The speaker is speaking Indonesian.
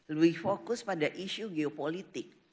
lebih fokus pada isu geopolitik